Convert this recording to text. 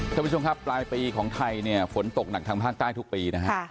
ทุกผู้ชมครับปลายปีของไทยฝนตกหนักทางภาคใต้ทุกปีนะครับ